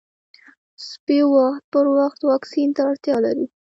سپي وخت پر وخت واکسین ته اړتیا لري.